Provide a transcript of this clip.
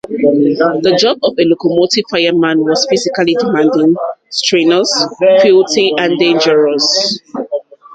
The job of a locomotive fireman was physically demanding - strenuous, filthy, and dangerous.